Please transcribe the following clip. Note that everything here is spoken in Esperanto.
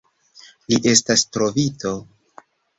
Li estas trovito.